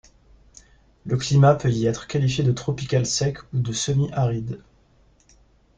Le climat peut y être qualifié de tropical sec ou de semi-aride.